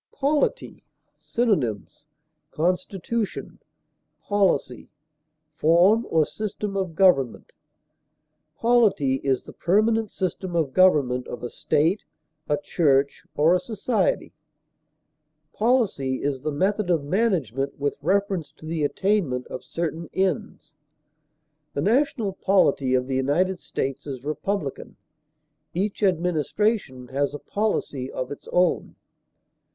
POLITY. Synonyms: constitution, policy, form or system of government. Polity is the permanent system of government of a state, a church, or a society; policy is the method of management with reference to the attainment of certain ends; the national polity of the United States is republican; each administration has a policy of its own.